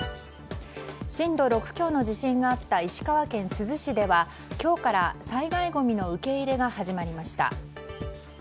震度６強の地震があった石川県珠洲市では今日から災害ごみの受け入れが始まりました。